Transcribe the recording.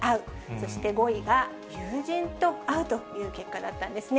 そして５位が友人と会うという結果だったんですね。